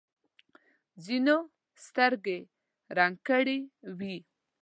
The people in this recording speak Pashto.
ځینو سترګې رنګ کړې وي.